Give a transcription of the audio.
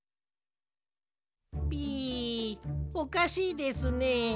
ピおかしいですね。